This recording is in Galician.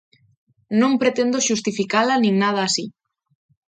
Non pretendo xustificala nin nada así.